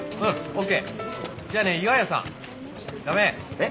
えっ？